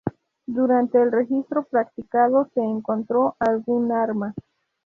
Durante el registro practicado se encontró algún arma.